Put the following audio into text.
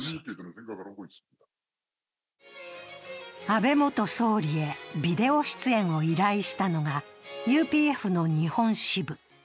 安倍元総理へビデオ出演を依頼したのがＵＰＦの日本支部。